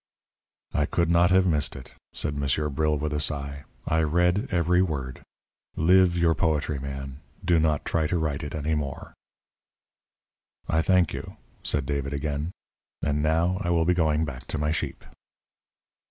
"I could not have missed it," said Monsieur Bril, with a sigh. "I read every word. Live your poetry, man; do not try to write it any more." "I thank you," said David, again. "And now I will be going back to my sheep."